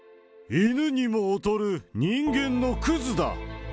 犬にも劣る人間のくずだ。